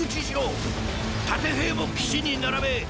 盾兵も岸に並べ！